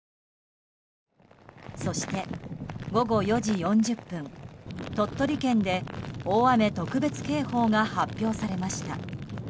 そして、午後４時４０分鳥取県で大雨特別警報が発表されました。